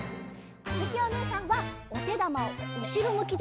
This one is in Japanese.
あづきおねえさんはおてだまをうしろむきで１０こなげます。